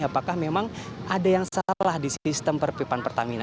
apakah memang ada yang salah di sistem perpipan pertamina